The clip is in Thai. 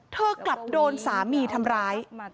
เธอกลับโดนสามีทำร้าย